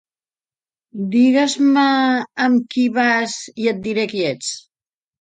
Digues-me amb qui vas i et diré qui ets